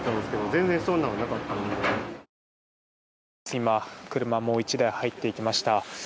今、車も１台入っていきました。